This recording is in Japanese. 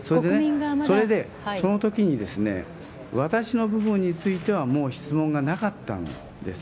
それでね、そのときに、私の部分についてはもう質問がなかったんです。